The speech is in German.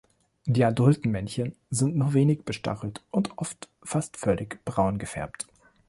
Die adulten Männchen sind nur wenig bestachelt und oft fast völlig braun gefärbt.